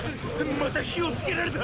また火をつけられた！